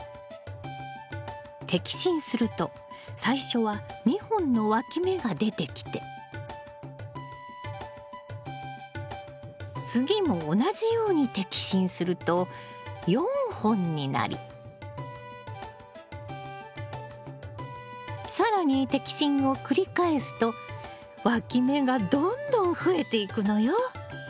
摘心すると最初は２本のわき芽が出てきて次も同じように摘心すると４本になり更に摘心を繰り返すとわき芽がどんどん増えていくのよ。